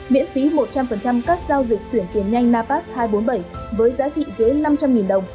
miễn phí một trăm linh các giao dịch chuyển tiền nhanh napas hai trăm bốn mươi bảy với giá trị dưới năm trăm linh đồng